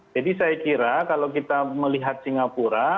jadi saya kira kalau kita melihat singapura